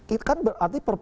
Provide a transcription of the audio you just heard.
itu kan berarti